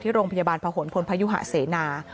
ที่โรงพยาบาลพพพศเสนา